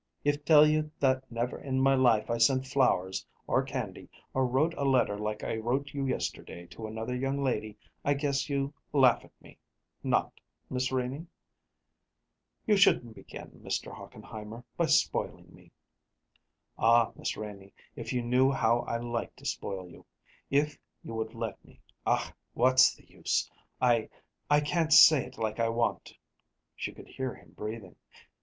"If tell you that never in my life I sent flowers or candy, or wrote a letter like I wrote you yesterday, to another young lady, I guess you laugh at me not, Miss Renie?" "You shouldn't begin, Mr. Hochenheimer, by spoiling me." "Ah, Miss Renie, if you knew how I like to spoil you, if you would let me Ach, what's the use? I I can't say it like I want." She could hear him breathing.